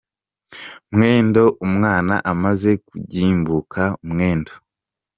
Mwendo. Umwana amaze kugimbuka, Mwendo